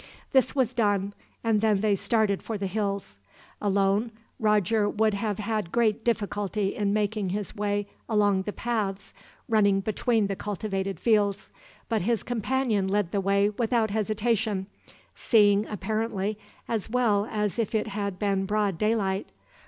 This was done, and then they started for the hills. Alone, Roger would have had great difficulty in making his way along the paths running between the cultivated fields; but his companion led the way without hesitation, seeing, apparently, as well as if it had been broad daylight.